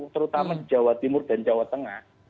terutama di jawa timur dan jawa tengah